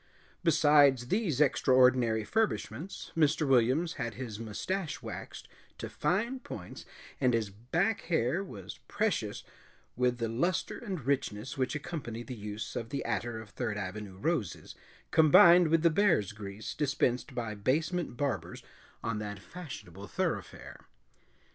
Besides these extraordinary furbishments, Mr. Williams had his mustache waxed to fine points and his back hair was precious with the luster and richness which accompany the use of the attar of Third Avenue roses combined with the bear's grease dispensed by basement barbers on that fashionable thoroughfare.